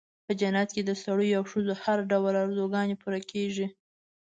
په جنت کې د سړیو او ښځو هر ډول آرزوګانې پوره کېږي.